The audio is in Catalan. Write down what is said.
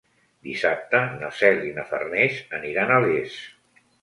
Dissabte na Cel i na Farners aniran a Les.